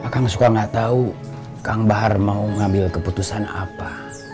kang bahar suka nggak tahu kang bahar mau ngambil keputusan apa